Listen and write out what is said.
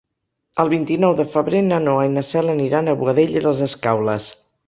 El vint-i-nou de febrer na Noa i na Cel aniran a Boadella i les Escaules.